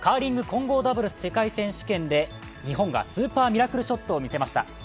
混合ダブルス世界選手権で日本がスーパーミラクルショットを見せました。